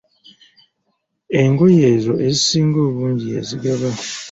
Engoye ezo ezisinga obungi yazigaba.